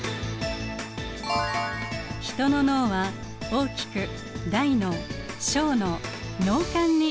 ヒトの脳は大きく大脳小脳脳幹に分けられます。